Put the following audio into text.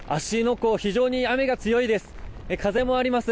湖、非常に雨が強いです。